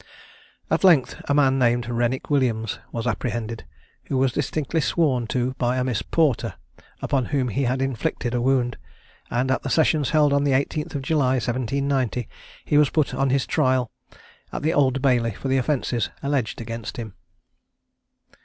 At length a man named Renwick Williams was apprehended, who was distinctly sworn to by a Miss Porter, upon whom he had inflicted a wound; and at the sessions held on the 18th of July 1790, he was put on his trial at the Old Bailey for the offence alleged against him.